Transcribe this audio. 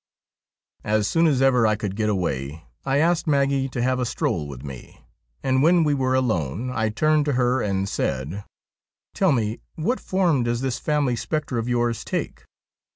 As soon as ever I could get away, I asked Maggie to have a stroll with me, and when we were alone I turned to her and said :' Tell me what form does this family spectre of yours take